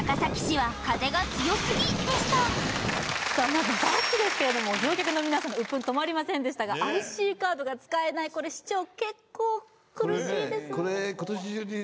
まずバスですけど乗客の皆さんのウップン止まりませんでしたがＩＣカードが使えないこれ市長結構苦しいです今年中に？